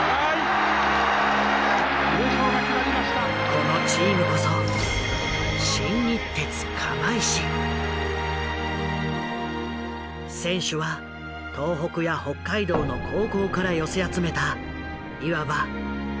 このチームこそ選手は東北や北海道の高校から寄せ集めたいわば雑草集団だった。